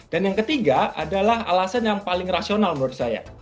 dan yang ketiga adalah alasan yang paling rasional menurut saya